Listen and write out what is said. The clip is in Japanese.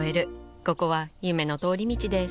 ここは夢の通り道です